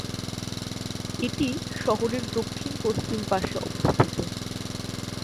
এটি শহরের দক্ষিণপশ্চিম পাশে অবস্থিত।